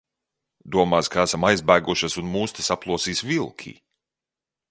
Domās, ka esam aizbēgušas un mūs te saplosīs vilki.